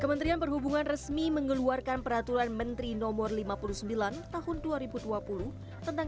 kementerian perhubungan resmi mengeluarkan peraturan menteri no lima puluh sembilan tahun dua ribu dua puluh tentang